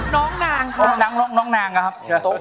น้องนางครับ